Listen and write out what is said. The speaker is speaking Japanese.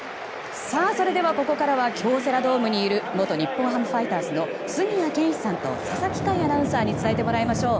それではここからは京セラドームにいる元日本ハムファイターズの杉谷拳士さんと佐々木快アナウンサーに伝えてもらいましょう。